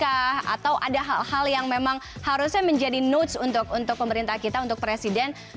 atau ada hal hal yang memang harusnya menjadi notes untuk pemerintah kita untuk presiden